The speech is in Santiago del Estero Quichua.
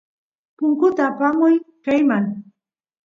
punkut apamuy kayman